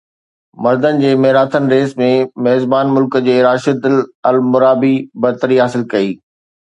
مردن جي marathon race ۾ ميزبان ملڪ جي راشد المرابي برتري حاصل ڪئي